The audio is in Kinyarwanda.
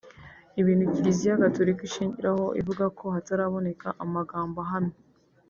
ibintu kiliziya gaturika ishingiraho ivuga ko hataraboneka amagambo ahamye